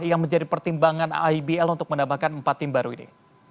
yang menjadi pertimbangan ibl untuk menambahkan empat tim baru ini